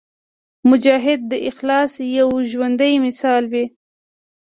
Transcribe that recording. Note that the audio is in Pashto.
مجاهد د اخلاص یو ژوندی مثال وي.